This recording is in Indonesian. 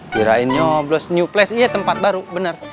kirain nyoblos nyoblos iya tempat baru bener